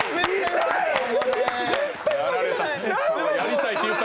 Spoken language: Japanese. やられた。